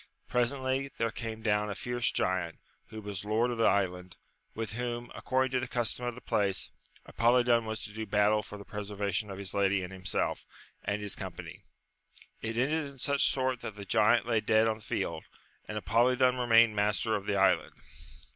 Presently there came down a fierce giant, who was lord of the island, with whom, according to the custom of the place, Apolidon was to do battle for the pre servation of his lady and himself, and his company. It ended in such sort that the giant lay dead on the field, and Apolidon remained master of the island.